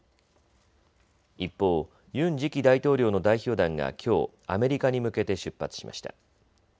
一方、ユン次期大統領の代表団がきょうアメリカに向けて出発しました。